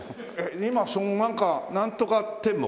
今そのなんかなんとか天目？